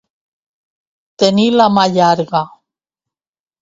Tenir la mà llarga.